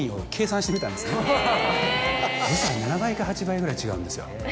そしたら７倍か８倍ぐらい違うんですよ。